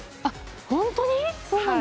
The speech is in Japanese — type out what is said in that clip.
本当に？